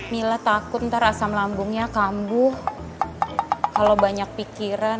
mila takut ntar asam lambungnya kambuh kalau banyak pikiran